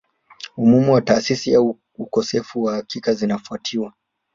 Umuhimu wa taasisi au ukosefu wa uhakika zinatafitiwa